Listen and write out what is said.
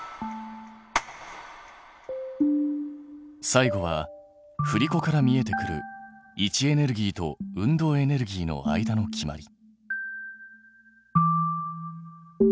最後はふりこから見えてくる位置エネルギーと運動エネルギーの間の決まり。